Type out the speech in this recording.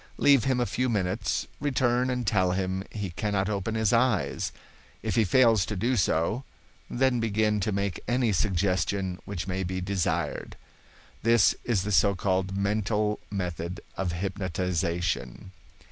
Leave him a few minutes; return and tell him he cannot open his eyes. If he fails to do so, then begin to make any suggestion which may be desired. This is the so called mental method of hypnotization.